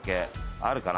あるかな？